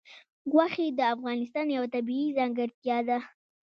غوښې د افغانستان یوه طبیعي ځانګړتیا ده.